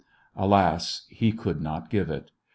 Alas, he could not give it.